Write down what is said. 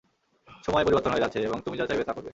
সময় পরিবর্তন হয়ে যাচ্ছে, এবং তুমি যা চাইবে তা করবে।